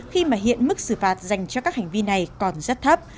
khi mà hiện mức xử phạt dành cho các hành vi này còn rất thấp